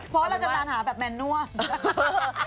เพราะเราชำนาญหาแบบแมนนวอร์ม